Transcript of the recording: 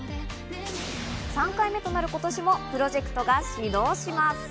３回目となる今年もプロジェクトが始動します。